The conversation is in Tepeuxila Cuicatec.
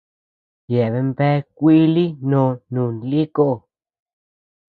Yeaben bea kuili nóó nun lï koó.